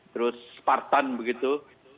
terus spartan begitu